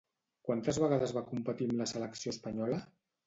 Quantes vegades va competir amb la selecció espanyola?